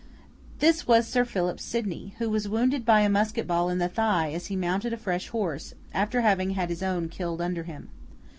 This was Sir Philip Sidney, who was wounded by a musket ball in the thigh as he mounted a fresh horse, after having had his own killed under him.